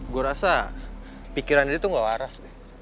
gua rasa pikirannya dia tuh gak waras